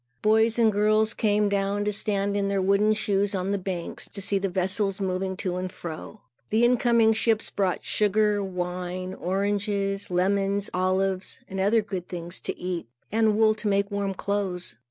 Boys and girls came down to stand in their wooden shoes on the banks, to see the vessels moving to and fro. The incoming ships brought sugar, wine, oranges, lemons, olives and other good things to eat, and wool to make warm clothes.